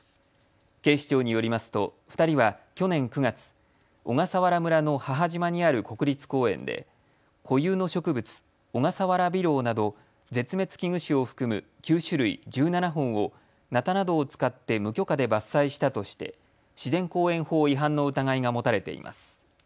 警視庁によりますと２人は去年９月小笠原村の母島にある国立公園で固有の植物、オガサワラビロウなど絶滅危惧種を含む９種類１７本をなたなどを使って無許可で伐採したとして自然公園法違反の疑いが持たれています。